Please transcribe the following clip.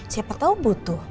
siapa tau butuh